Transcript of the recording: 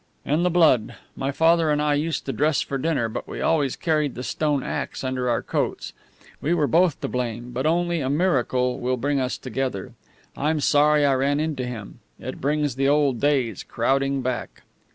"In the blood. My father and I used to dress for dinner, but we always carried the stone axe under our coats. We were both to blame, but only a miracle will ever bring us together. I'm sorry I ran into him. It brings the old days crowding back."